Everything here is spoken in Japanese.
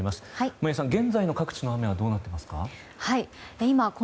眞家さん、現在の各地の雨はどうなっていますか？